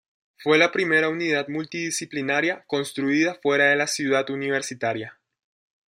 Fue la primera unidad multidisciplinaria construida fuera de Ciudad Universitaria.